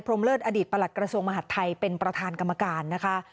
มเลิศอดีตประหลักกระทรวงมหาดไทยเป็นประธานกรรมการนะคะ